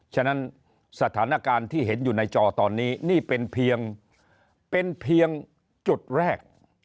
ฉะนั้นสถานการณ์ที่เห็นอยู่ในจอตอนนี้นี่เป็นเพียงเป็นเพียงจุดแรก